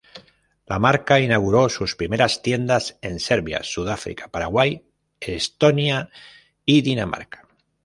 La marca inauguró sus primeras tiendas en Serbia, Sudáfrica, Paraguay, Estonia y Dinamarca.